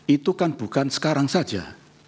itu kan bukan sekarang saja